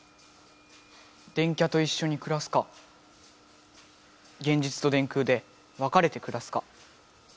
電キャといっしょにくらすか現実と電空でわかれてくらすか。